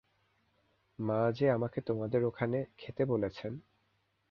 মা যে আমাকে তোমাদের ওখানে খেতে বলেছেন।